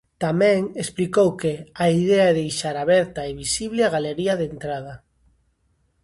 Tamén explicou que "a idea é deixar aberta e visible a galería de entrada".